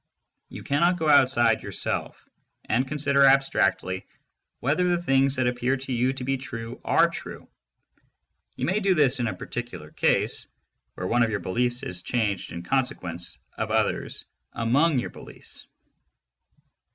You cannot go outside yourself and consider abstractly whether the things that appear to you to be true are true ; you may do this in a particular case, where one of your beliefs is changed in consequence of others among your beliefs.